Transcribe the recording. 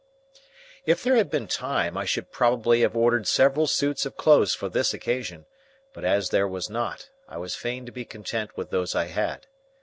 If there had been time, I should probably have ordered several suits of clothes for this occasion; but as there was not, I was fain to be content with those I had.